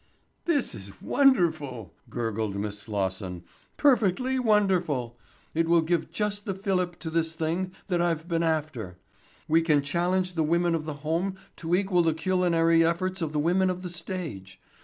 "This is wonderful," gurgled Miss Slosson, "perfectly wonderful! It will give just the filip to this thing that I've been after. We can challenge the women of the home to equal the culinary efforts of the women of the stage.